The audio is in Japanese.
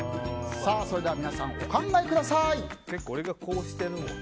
それでは皆さん、お考えください。